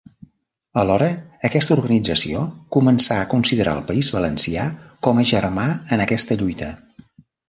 Alhora, aquesta organització començà a considerar el País Valencià com a germà en aquesta lluita.